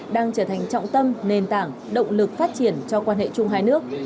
đang trở thành trọng tâm nền tảng động lực phát triển cho quan hệ chung hai nước